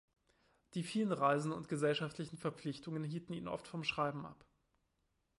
Die vielen Reisen und gesellschaftlichen Verpflichtungen hielten ihn oft vom Schreiben ab.